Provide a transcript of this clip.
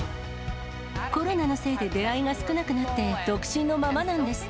コロナのせいで出会いが少なくなって独身のままなんです。